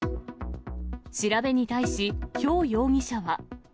調べに対し、馮容疑者は。